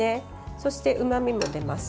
そして、うまみも出ます。